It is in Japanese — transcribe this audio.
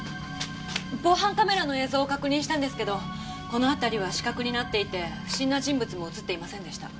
防犯カメラの映像を確認したんですけどこの辺りは死角になっていて不審な人物も映っていませんでした。